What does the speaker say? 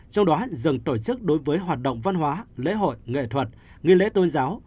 trong đó dừng tổ chức đối với hoạt động văn hóa lễ hội nghệ thuật nghi lễ tôn giáo